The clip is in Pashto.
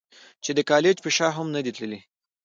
چې د کالج پۀ شا هم نۀ دي تلي -